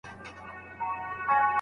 اکثره وخت د واده ځنډ مينه او تلوسه لږوي.